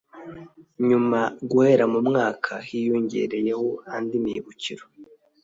nyuma guhera mu mwaka hiyongereyeho andi mibukiro